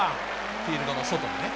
フィールドの外にね。